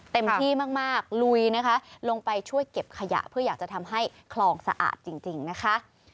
เต็มที่มากลุยนะคะลงไปช่วยเก็บขยะเพื่ออยากจะทำให้คลองสะอาดจริงนะคะ